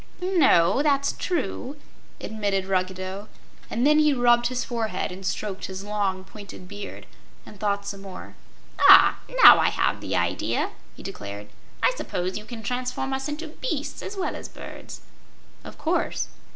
"No; that's true," admitted Ruggedo, and then he rubbed his forehead and stroked his long pointed beard and thought some more. "Ah, now I have the idea!" he declared. "I suppose you can transform us into beasts as well as birds?" "Of course."